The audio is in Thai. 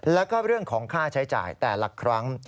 แล้วก็เรื่องของค่าใช้จ่ายแต่ละครั้ง